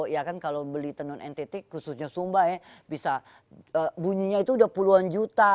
ya kan kalau beli tenun ntt khususnya sumba ya bisa bunyinya itu udah puluhan juta